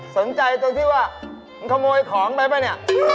สนใจตัวที่ว่ามันขโมยของไปไหม